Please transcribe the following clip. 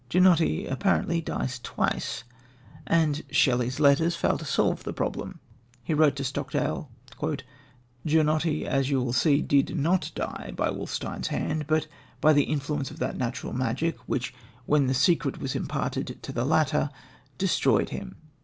Ginotti, apparently, dies twice, and Shelley's letters fail to solve the problem. He wrote to Stockdale: "Ginotti, as you will see, did not die by Wolfstein's hand, but by the influence of that natural magic, which, when the secret was imparted to the latter, destroyed him."